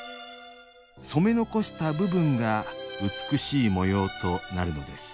染め残した部分が美しい模様となるのです。